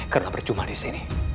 karena percuma di sini